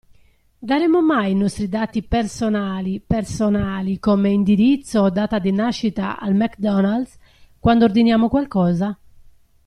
Daremmo mai i nostri dati personali personali come indirizzo o data di nascita al McDonald's quando ordiniamo qualcosa?